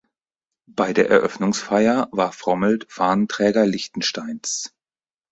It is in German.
Bei der Eröffnungsfeier war Frommelt Fahnenträger Liechtensteins.